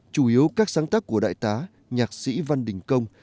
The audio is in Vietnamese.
chủ yếu các sáng tác của đại tá nhạc sĩ văn đình công